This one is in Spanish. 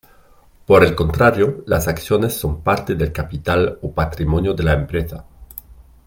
Por el contrario, las acciones son parte del capital o patrimonio de la empresa.